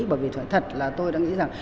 bởi vì thật là tôi đã nghĩ rằng